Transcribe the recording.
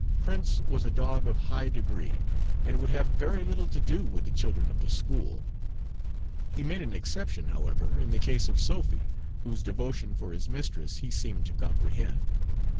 Prince was a dog of high degree, and would have very little to do with the children of the school; he made an exception, however, in the case of Sophy, whose devotion for his mistress he seemed to comprehend.